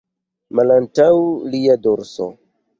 Malantaŭ lia dorso.